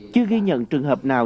chưa ghi nhận trường hợp nào